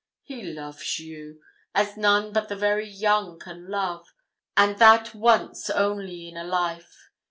He loves you, as none but the very young can love, and that once only in a life.